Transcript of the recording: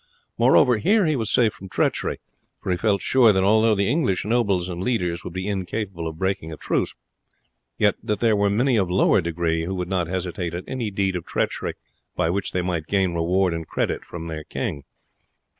Moreover, here he was safe from treachery; for he felt sure that although the English nobles and leaders would be incapable of breaking a truce, yet that there were many of lower degree who would not hesitate at any deed of treachery by which they might gain reward and credit from their king.